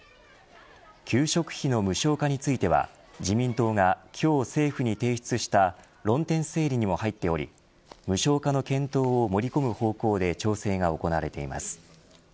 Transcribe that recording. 給食費の無償化については自民党が、今日政府に提出した論点整理にも入っており無償化の検討を盛り込む方向で調整が行われています。